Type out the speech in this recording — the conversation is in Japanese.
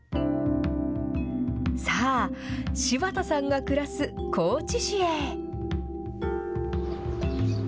さあ、柴田さんが暮らす高知市へ。